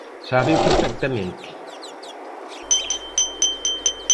Sábeo perfectamente.